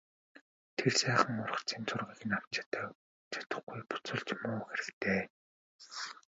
Тэр сайхан ургацын зургийг нь авч чадахгүй буцвал ч муу хэрэг дээ...